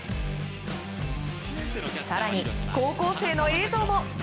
更に、高校生の映像も。